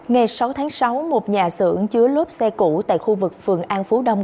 ngày sáu tháng sáu một nhà xưởng chứa lốp xe cũ tại khu vực phường an phú đông